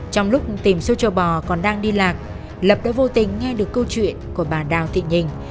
trong lúc tìm số châu bò còn đang đi lạc lập đã vô tình nghe được câu chuyện của bà đào thị nhình